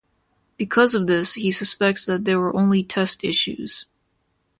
Because of this he suspects that they were only test issues.